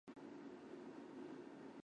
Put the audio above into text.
其父为木棉商人小津定利。